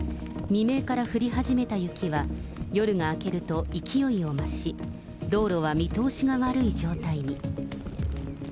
未明から降り始めた雪は夜が明けると勢いを増し、道路は見通しが悪い状態に。